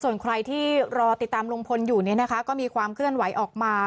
ส่วนใครที่รอติดตามลุงพลอยู่ก็มีความเคลื่อนไหวออกมา